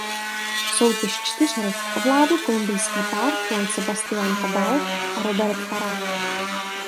Soutěž čtyřhry ovládl kolumbijský pár Juan Sebastián Cabal a Robert Farah.